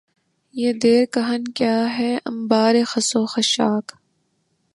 یہ دیر کہن کیا ہے انبار خس و خاشاک